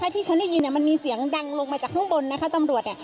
ที่ฉันได้ยินมันมีเสียงดังลงมาจากข้างบนนะคะตำรวจ